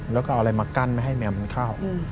แล้วก็เอาอะไรมากั้นไม่ให้แมวมันเข้า